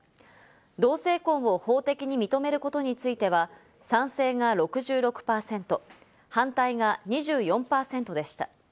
同性婚を法的に認めることについては、賛成が６６％、反対が２４％でした。